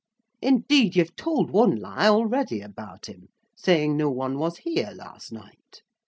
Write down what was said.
Indeed you've told one lie already about him, saying no one was here last night.